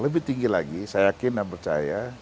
lebih tinggi lagi saya yakin dan percaya